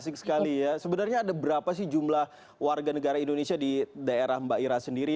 asik sekali ya sebenarnya ada berapa sih jumlah warga negara indonesia di daerah mbak ira sendiri